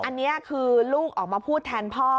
อันนี้คือลูกออกมาพูดแทนพ่อ